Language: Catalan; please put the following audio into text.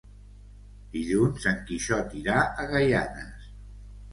Dilluns en Quixot irà a Gaianes.